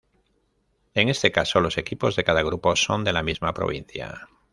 En este caso los equipos de cada grupo son de la misma provincia.